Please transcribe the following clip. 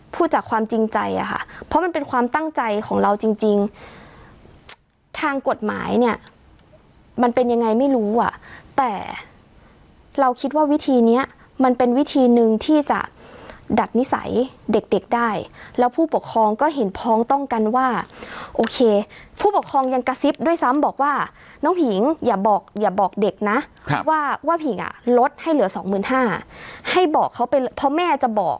พูดจากความจริงใจอะค่ะเพราะมันเป็นความตั้งใจของเราจริงทางกฎหมายเนี่ยมันเป็นยังไงไม่รู้อ่ะแต่เราคิดว่าวิธีนี้มันเป็นวิธีหนึ่งที่จะดัดนิสัยเด็กได้แล้วผู้ปกครองก็เห็นพ้องต้องกันว่าโอเคผู้ปกครองยังกระซิบด้วยซ้ำบอกว่าน้องผิงอย่าบอกอย่าบอกเด็กนะว่าผิงอ่ะลดให้เหลือสองหมื่นห้าให้บอกเขาเป็นเพราะแม่จะบอก